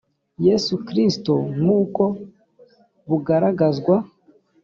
yesu kristo nk uko bugaragazwa